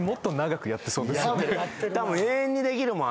永遠にできるもん。